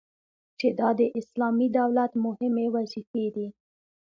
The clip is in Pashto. چي دا د اسلامي دولت مهمي وظيفي دي